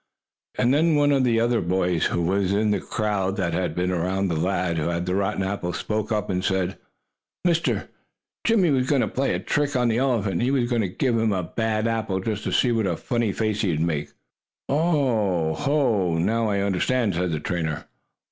And then one of the other boys, who was in the crowd that had been around the lad who had the rotten apple, spoke up and said: "Mister, Jimmie was going to play a trick on the elephant. He was going to give him a bad apple just to see what a funny face the elephant would make." "Oh, ho! Now I understand!" said the trainer.